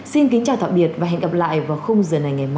xin kính chào tạm biệt và hẹn gặp lại vào khung giờ này ngày mai